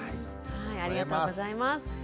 ありがとうございます。